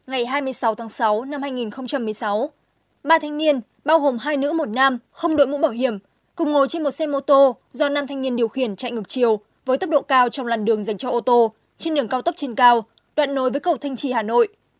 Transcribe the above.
ngày hai mươi sáu tháng sáu năm hai nghìn một mươi sáu ba thanh niên bao gồm hai nữ một nam không đội mũ bảo hiểm cùng ngồi trên một xe mô tô do nam thanh niên điều khiển chạy ngược chiều với tốc độ cao trong làn đường dành cho ô tô trên đường cao tốc trên cao đoạn nối với cầu thanh trì hà nội